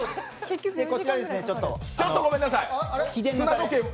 ちょっとごめんなさい。